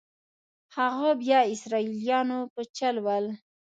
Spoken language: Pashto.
هغه بیا اسرائیلیانو په چل ول.